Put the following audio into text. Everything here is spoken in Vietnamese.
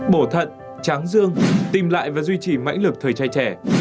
bổ thận tráng dương tìm lại và duy trì mãi lực thời trai trẻ